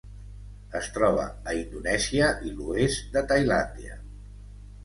Es troba a Indonèsia i l'oest de Tailàndia.